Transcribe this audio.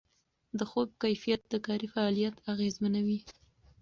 د خوب کیفیت د کاري فعالیت اغېزمنوي.